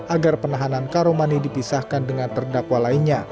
agar penahanan karomani dipisahkan dengan terdakwa lainnya